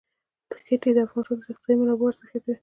ښتې د افغانستان د اقتصادي منابعو ارزښت زیاتوي.